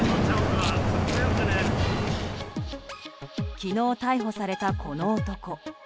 昨日逮捕された男。